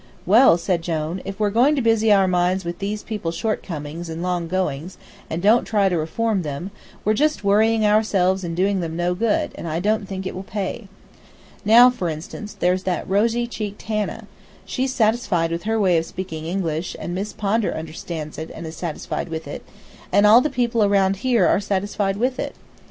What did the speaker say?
"Well," said Jone, "if we're going to busy our minds with these people's shortcomings and long goings, and don't try to reform them, we're just worrying ourselves and doing them no good, and I don't think it will pay. Now, for instance, there's that rosy cheeked Hannah. She's satisfied with her way of speaking English, and Miss Pondar understands it and is satisfied with it, and all the people around here are satisfied with it.